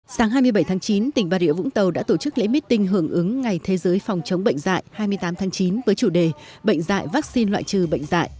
sáng hai mươi bảy tháng chín tỉnh bà rịa vũng tàu đã tổ chức lễ meeting hưởng ứng ngày thế giới phòng chống bệnh dạy hai mươi tám tháng chín với chủ đề bệnh dạy vaccine loại trừ bệnh dạy